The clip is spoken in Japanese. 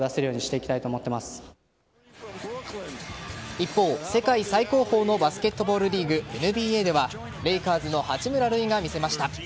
一方、世界最高峰のバスケットボールリーグＮＢＡではレイカーズの八村塁が見せました。